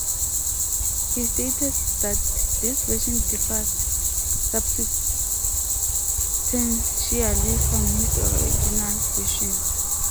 He stated that this version differed substantially from his original vision.